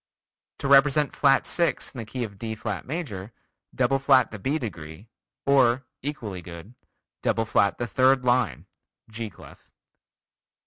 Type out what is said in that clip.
To represent flat 6 in the key of D flat major, double flat the B degree, or (equally good) double flat the third line (G clef).